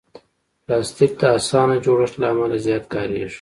پلاستيک د اسانه جوړښت له امله زیات کارېږي.